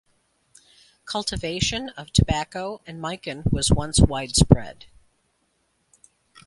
Cultivation of tobacco and "mikan" was once widespread.